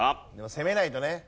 攻めないとね。